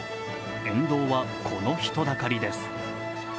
沿道はこの人だかりです。